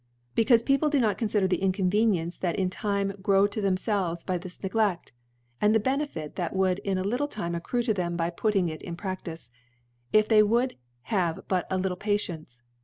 Becaufe People do not con * fider the Inconvenience that will in Time * grow to themfelvcs by this N egleft, and * the Benefit that would in a little Timeac * crue to* them by putting it in PraAice, if * they would have but a little Patience.